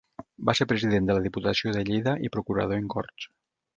Va ser president de la Diputació de Lleida i procurador en Corts.